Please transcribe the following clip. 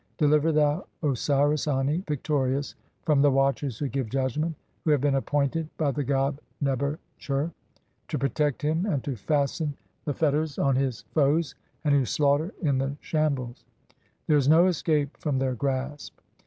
Deliver thou Osiris (117) Ani, victorious, from the "Watchers who give judgment, who have been appointed by the "god Neb er tcher (118) to protect him and to fasten the fet "ters on his foes, and who slaughter in the (119) shambles; "there is no escape from their grasp.